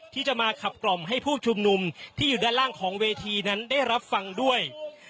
ที่จะมาขับกล่อมให้ผู้ชุมนุมที่อยู่ด้านล่างของเวทีนั้นได้รับฟังด้วย